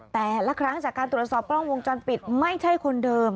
แต่ละครั้งจากการตรวจสอบกล้องวงจรปิดไม่ใช่คนเดิม